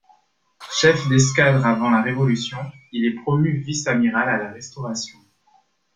Chef d'escadre avant la Révolution, il est promu Vice-amiral à la Restauration.